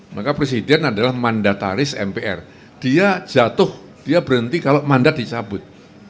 maka presiden adalah mandataris mpr dia jatuh dia berhenti kalau mandat dicabut